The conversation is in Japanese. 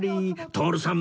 徹さん